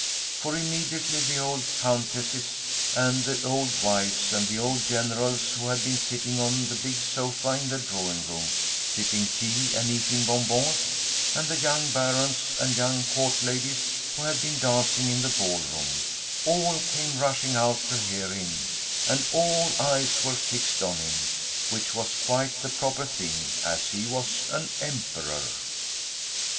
For immediately the old countesses and the old wives of the old generals who had been sitting on the big sofa in the drawing room, sipping tea and eating bonbons, and the young barons and young Court ladies who had been dancing in the ballroom, all came rushing out to hear him and all eyes were fixed on him, which was quite the proper thing, as he was an emperor.